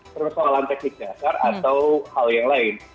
persoalan teknik dasar atau hal yang lain